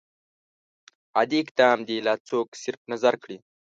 عادي اقدام دې لا څوک صرف نظر کړي.